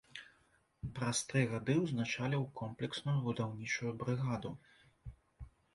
Праз тры гады ўзначаліў комплексную будаўнічую брыгаду.